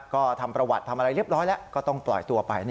ก็ทำประวัติทำอะไรเรียบร้อยแล้วก็ต้องปล่อยตัวไป